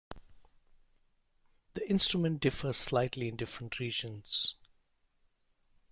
The instrument differs slightly in different regions.